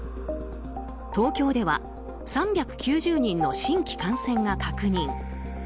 東京では３９０人の新規感染が確認。